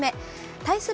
対する